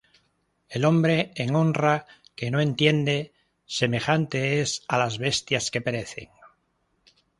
El hombre en honra que no entiende, Semejante es á las bestias que perecen.